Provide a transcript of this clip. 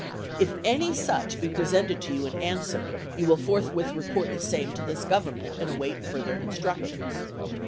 If any such be presented you in answer, you will forthwith report the same to this Govern ment, and await further instructions.